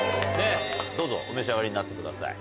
どうぞお召し上がりになってください。